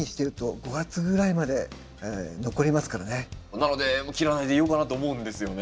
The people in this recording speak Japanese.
なので切らないでいようかなと思うんですよね。